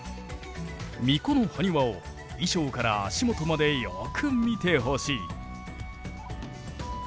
巫女のハニワを衣装から足元までよく見てほしい。